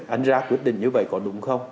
anh ra quyết định như vậy có đúng không